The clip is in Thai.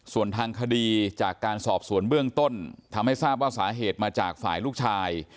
ส่วนทางคดีจากการสอบสวนเบื้องต้นทำให้ทราบว่าสาเหตุมาจากฝ่ายลูกชาย